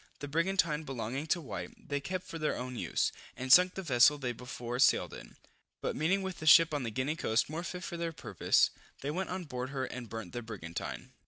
The brigantine belonging to White, they kept for their own use, and sunk the vessel they before sailed in; but meeting with a ship on the Guinea coast more fit for their purpose, they went on board her and burnt the brigantine.